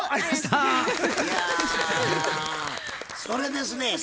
それですね